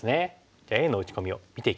じゃあＡの打ち込みを見ていきましょう。